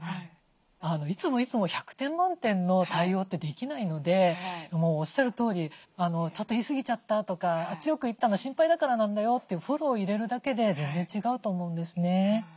いつもいつも１００点満点の対応ってできないのでもうおっしゃるとおり「ちょっと言い過ぎちゃった」とか「強く言ったのは心配だからなんだよ」ってフォロー入れるだけで全然違うと思うんですね。